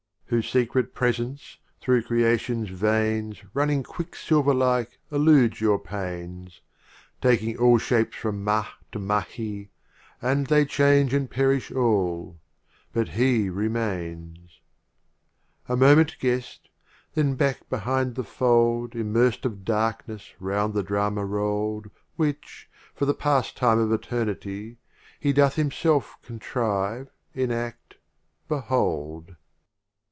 RubaUyat Whose secret Presence, through Khayyam Creation s veins Running Quicksilver like eludes your pains; Taking all shapes from Mah to Mahi; and They change and perish all — but He remains; LII. A moment guess' d — then back be hind the Fold Immerst of Darkness round the Drama rolPd Which, for the Pastime of Eter nity, He doth Himself contrive, enadt, behold.